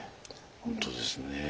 ほんとですね。